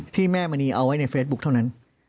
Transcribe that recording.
แม่มณีเอาไว้ในเฟซบุ๊คเท่านั้น